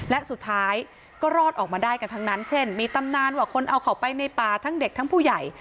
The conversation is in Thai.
และสุดท้ายก็รอดออกมาได้กันทั้งนั้นเช่นมีตำนานว่าคนเอาเข้าไปในป่าทั้งเด็กทั้งผู้ใหญ่